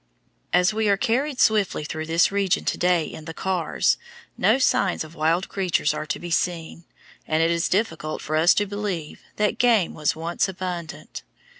As we are carried swiftly through this region to day in the cars, no signs of wild creatures are to be seen, and it is difficult for us to believe that game was once abundant.